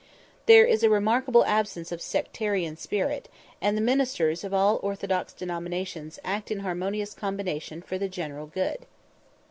There is a remarkable absence of sectarian spirit, and the ministers of all orthodox denominations act in harmonious combination for the general good.